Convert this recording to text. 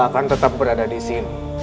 akan tetap berada disini